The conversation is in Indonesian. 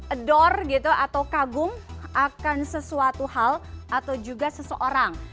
ador gitu atau kagum akan sesuatu hal atau juga seseorang